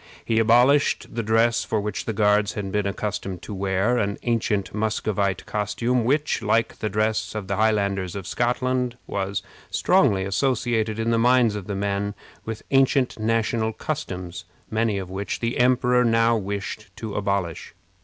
He abolished the dress which the Guards had been accustomed to wear an ancient Muscovite costume, which, like the dress of the Highlanders of Scotland, was strongly associated in the minds of the men with ancient national customs, many of which the emperor now wished to abolish.